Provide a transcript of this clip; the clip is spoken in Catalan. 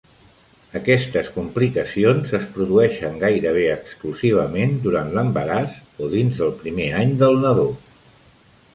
Aquestes complicacions es produeixen gairebé exclusivament durant l'embaràs o dins del primer any del nadó.